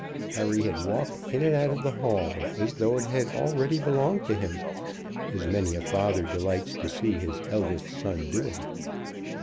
Harry had walked in and out of the Hall as though it had already belonged to him, as many a father delights to see his eldest son doing.